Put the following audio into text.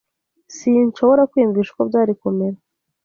Sinshobora kwiyumvisha uko byari kumera.